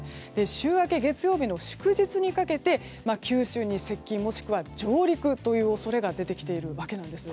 週明け、月曜日の祝日にかけ九州に接近もしくは上陸という恐れが出てきているわけなんです。